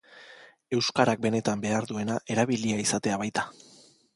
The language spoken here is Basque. Euskarak benetan behar duena erabilia izatea baita.